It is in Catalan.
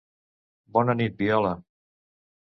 Bona nit, viola!